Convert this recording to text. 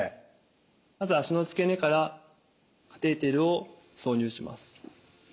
まず脚の付け根からカテーテルを挿入します。